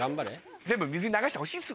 全部水に流してほしいっす。